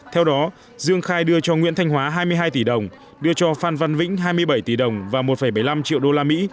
theo đó dương khai đưa cho nguyễn thanh hóa hai mươi hai tỷ đồng đưa cho phan văn vĩnh hai mươi bảy tỷ đồng và một bảy mươi năm triệu đô la mỹ